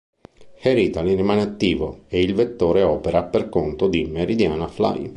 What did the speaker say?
Air Italy rimane attivo e il vettore opera per conto di Meridiana fly.